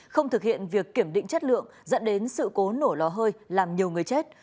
không thực hiện việc kiểm định chất lượng dẫn đến sự cố nổ lò hơi làm nhiều người chết